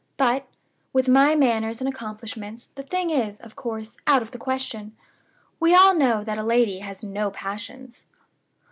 But, with my manners and accomplishments, the thing is, of course, out of the question. We all know that a lady has no passions."